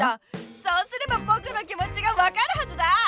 そうすればぼくの気もちが分かるはずだ！